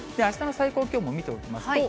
あしたの最高気温も見ておきます